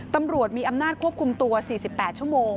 ตำรวจมีอำนาจควบคุมตัว๔๘ชั่วโมง